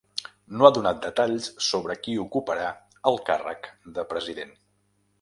No ha donat detalls sobre qui ocuparà el càrrec de president.